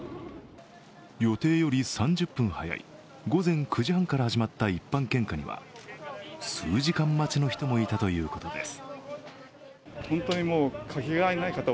予定より３０分早い午前９時半から始まった一般献花には、数時間待ちの人もいたということです。